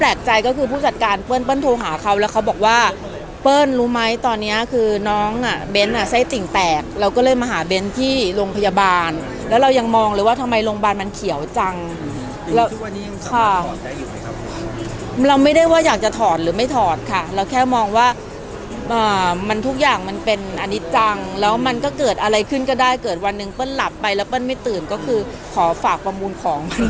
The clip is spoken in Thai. ผู้จัดการเปิ้ลเปิ้ลโทรหาเขาแล้วเขาบอกว่าเปิ้ลรู้ไหมตอนเนี้ยคือน้องอ่ะเบ้นอ่ะไส้ติ่งแตกเราก็เลยมาหาเบ้นที่โรงพยาบาลแล้วเรายังมองเลยว่าทำไมโรงพยาบาลมันเขียวจังเราค่ะเราไม่ได้ว่าอยากจะถอดหรือไม่ถอดค่ะเราแค่มองว่ามันทุกอย่างมันเป็นอันนี้จังแล้วมันก็เกิดอะไรขึ้นก็ได้เกิดวันหนึ่งเปิ้ลหลับไปแล้วเปิ้ลไม่ตื่นก็คือขอฝากประมูลของมัน